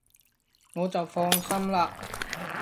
我就放心喇